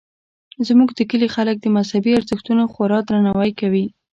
زموږ د کلي خلک د مذهبي ارزښتونو خورا درناوی کوي